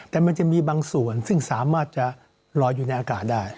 แต่มันจะมีบางส่วนซึ่งสามารถจะลอยอยู่ในอากาศได้